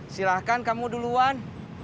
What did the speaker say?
silahkan kamu duluan